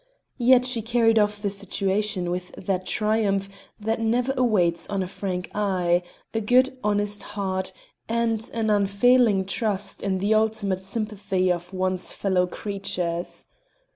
Yet she carried off the situation with that triumph that ever awaits on a frank eye, a good honest heart, and an unfailing trust in the ultimate sympathy of one's fellow creatures.